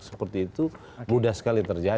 seperti itu mudah sekali terjadi